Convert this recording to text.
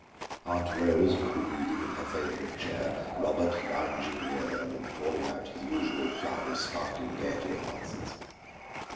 Aunt Rose would be reading in her favorite chair, Robert lounging near them and pouring out his usual flood of sparkling gaiety and nonsense.